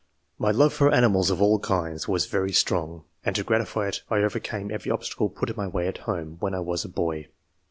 My love for animals of all kinds was very strong, and to gratify it I overcame every ob stacle put in my way at home, when I was a boy.